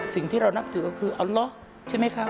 สิ่งที่เรานับถือก็คือเอาล็อกใช่ไหมคะ